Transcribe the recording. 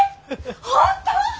本当！？